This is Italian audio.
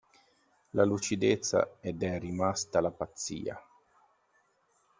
La lucidezza ed è rimasta la pazzia!